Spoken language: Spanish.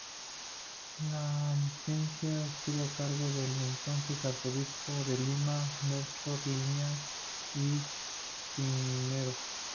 La licencia estuvo a cargo del entonces Arzobispo de Lima Melchor Liñán y Cisneros.